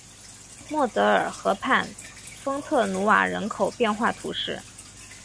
摩泽尔河畔丰特努瓦人口变化图示